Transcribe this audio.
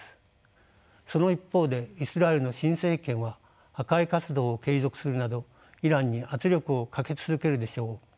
その一方でイスラエルの新政権は破壊活動を継続するなどイランに圧力をかけ続けるでしょう。